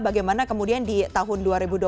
bagaimana kemudian di tahun dua ribu dua puluh